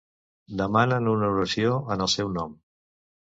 Demanen una oració en el seu nom.